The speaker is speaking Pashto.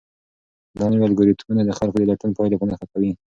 دا نوي الګوریتمونه د خلکو د لټون پایلې په نښه کوي.